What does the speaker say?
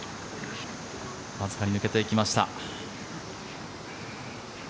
わずかに抜けていきました。